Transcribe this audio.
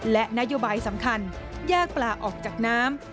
และนโยบายสำคัญแยกปลาออกจากน้ำ